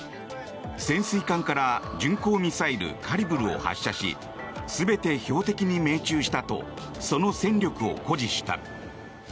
潜水艦から巡航ミサイルカリブルを発射し全て標的に命中したとその戦力を誇示した。